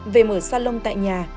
về mở salon tại nhà